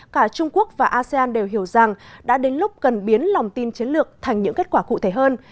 cả trung quốc và asean đều hiểu rằng đã đến lúc cần biến lòng tin chiến lược thành những kết quả cụ thể hơn